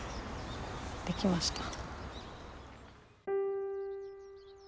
できました。